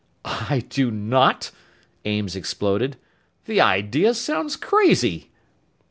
"I do not!" Ames exploded. "The idea sounds crazy!"